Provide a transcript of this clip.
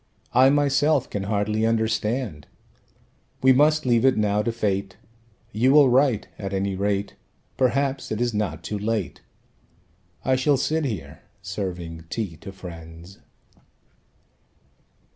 I myself can hardly understand. We must leave it now to fate. You will write, at any rate. Perhaps it is not too late. I shall sit here, serving tea to friends."